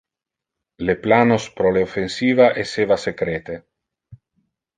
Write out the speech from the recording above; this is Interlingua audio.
Le planos pro le offensiva esseva secrete.